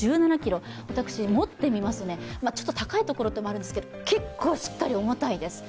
私、持ってみますと、高いところということもあるんですけど結構、しっかり重たいんです。